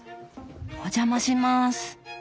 お邪魔します！